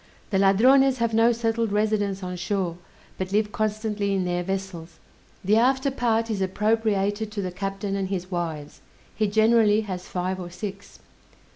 The Ladrones have no settled residence on shore, but live constantly in their vessels. The after part is appropriated to the captain and his wives; he generally has five or six.